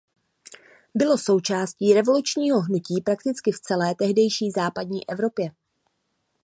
Bylo součástí revolučního hnutí prakticky v celé tehdejší západní Evropě.